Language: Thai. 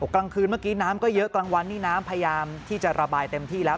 กลางคืนเมื่อกี้น้ำก็เยอะกลางวันนี่น้ำพยายามที่จะระบายเต็มที่แล้ว